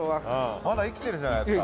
まだ生きてるじゃないですか。